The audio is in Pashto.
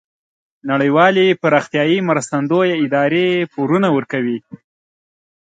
نړیوالې پراختیایې مرستندویه ادارې پورونه ورکوي.